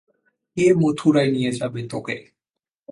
কে মথুরায় নিয়ে যাবে তোকে?